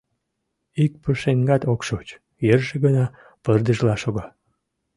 Ик пушеҥгат ок шоч, йырже гына пырдыжла шога.